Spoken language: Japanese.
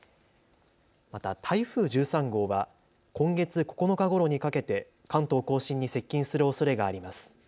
また台風１３号は今月９日ごろにかけて関東甲信に接近するおそれがあります。